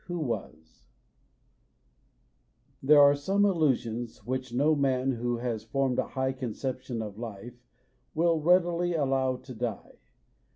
WHO WAS THERE are some illusions which no man who has formed a high conception of life will readily allow to die.